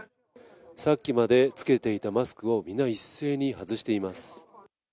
さっきまで着けていたマスクを、皆一斉に外しています。